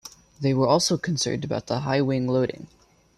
They were also concerned about the high wing loading.